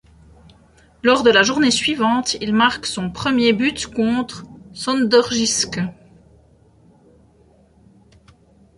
Lors de la journée suivante, il marque son premier but contre SønderjyskE.